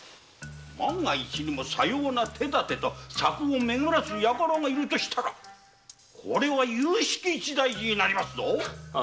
万が一にもさような手だてをめぐらすヤカラがいるとしたらゆゆしき一大事になりますぞ